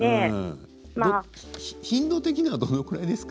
頻度的にはどのぐらいですか？